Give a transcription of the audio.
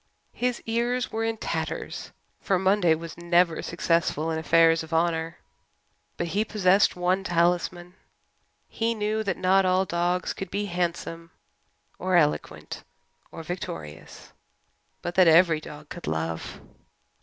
His ears were in tatters, for Monday was never successful in affairs of honour. But he possessed one talisman. He knew that not all dogs could be handsome or eloquent or victorious, but that every dog could love.